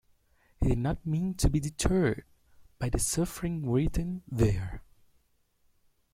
He did not mean to be deterred by the suffering written there.